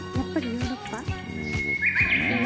ヨーロッパねえ。